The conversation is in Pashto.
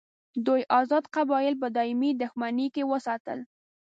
دوی آزاد قبایل په دایمي دښمني کې وساتل.